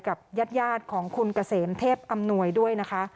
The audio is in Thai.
กับญาติของคุณเกษมเทพอำนวยด้วยนะคะ